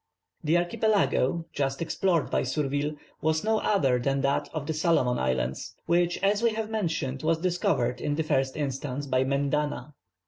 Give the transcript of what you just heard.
The archipelago, just explored by Surville, was no other than that of the Solomon Islands, which, as we have mentioned, was discovered in the first instance by Mendana.